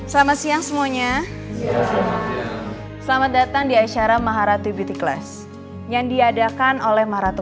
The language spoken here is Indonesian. selamat siang semuanya selamat datang di aisyara maharati beauty class yang diadakan oleh maharati